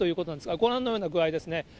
ご覧のような具合ですね。